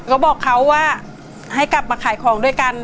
ก็บอกเขาว่าให้กลับมาขายของด้วยกัน